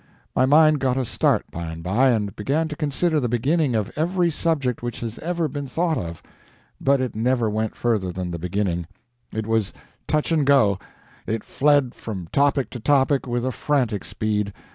My mind got a start by and by, and began to consider the beginning of every subject which has ever been thought of; but it never went further than the beginning; it was touch and go; it fled from topic to topic with a frantic speed.